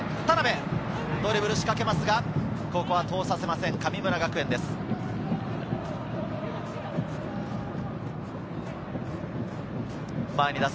ドリブルを仕掛けますが通させません、神村学園です。